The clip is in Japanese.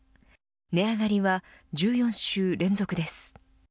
値上がりは１４週連続です。